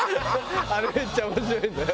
あれめっちゃ面白いんだよ。